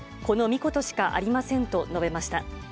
この三言しかありませんと述べました。